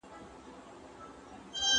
زغم د سولې لومړی شرط دی.